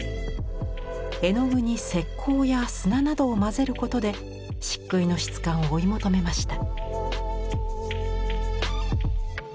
絵の具に石膏や砂などを混ぜることで漆喰の質感を追い求めました。